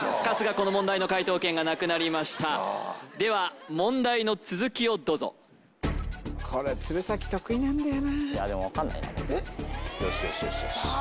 この問題の解答権がなくなりましたでは問題の続きをどうぞこれ鶴崎得意なんだよないやでも分かんないさあ